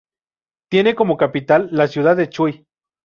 Tiene como capital la ciudad de Chuy.